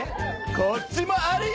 こっちもあるよ！